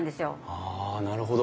あなるほど。